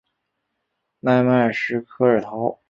奈迈什科尔陶。